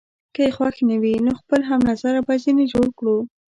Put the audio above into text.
که يې خوښ نه وي، نو خپل هم نظره به ځینې جوړ کړو.